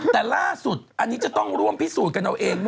แต่อันนี้เธอต้องรับผิดชอบต่อสังคม